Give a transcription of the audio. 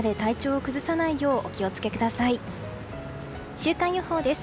週間予報です。